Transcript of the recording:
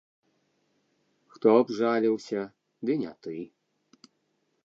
Хто б жаліўся, ды не ты.